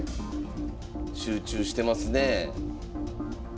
集中してますねえ。